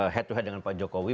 head to head dengan pak jokowi